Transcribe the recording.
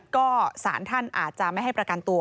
ก็สารท่านอาจจะไม่ให้ประกันตัว